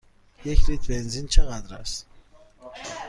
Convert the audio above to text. یک لیتر بنزین چقدر است؟